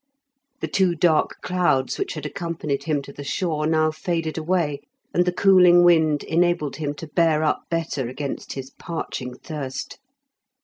The two dark clouds which had accompanied him to the shore now faded away, and the cooling wind enabled him to bear up better against his parching thirst.